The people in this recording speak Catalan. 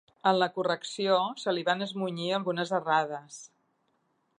En la correcció, se li van esmunyir algunes errades.